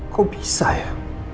kok bisa ya